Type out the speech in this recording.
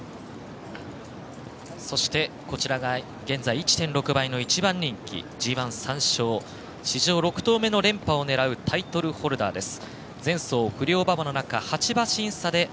そして１．６倍の１番人気ＧＩ、３勝史上６頭目の連覇を狙うタイトルホルダーです。